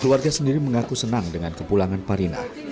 keluarga sendiri mengaku senang dengan kepulangan parinah